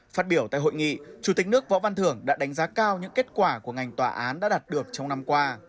phát biểu tại hội nghị chủ tịch nước võ văn thưởng đã đánh giá cao những kết quả của ngành tòa án đã đạt được trong năm qua